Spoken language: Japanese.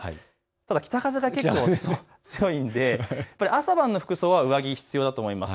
ただ北風が結構強いので朝晩の服装は上着、必要だと思います。